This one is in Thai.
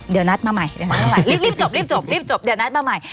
เดี๋ยวนัดมาใหม่รีบจบรีบจบรีบจบเดี๋ยวนัดมาใหม่